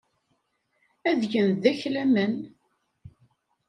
Ad gen deg-k laman.